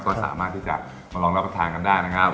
ก็สามารถที่จะมาลองรับประทานกันได้นะครับ